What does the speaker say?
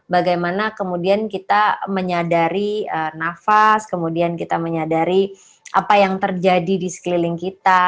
bagaimana kemudian kita menyadari nafas kemudian kita menyadari apa yang terjadi di sekeliling kita